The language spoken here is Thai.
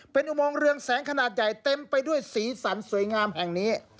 เป็นอุโมงเรืองแสงขนาดใหญ่เต็มไปด้วยสีสันสวยงามแห่งนี้